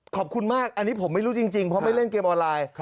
ขอบคุณมากอันนี้ผมไม่รู้จริงเพราะไม่เล่นเกมออนไลน์